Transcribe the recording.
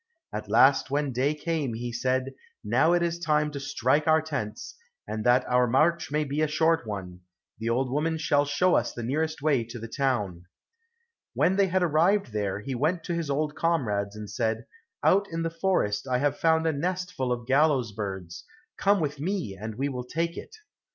At last when day came, he said, "Now it is time to strike our tents, and that our march may be a short one, the old woman shall show us the nearest way to the town." When they had arrived there, he went to his old comrades, and said, "Out in the forest I have found a nest full of gallows' birds, come with me and we will take it."